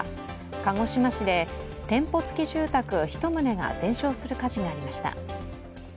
鹿児島市で店舗付き住宅１棟が全焼する火事がありました。